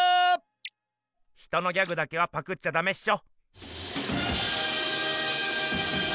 ヒトのギャグだけはパクっちゃダメっしょ。